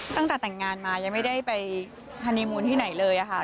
ตั้งแต่แต่งงานมายังไม่ได้ไปฮานีมูลที่ไหนเลยค่ะ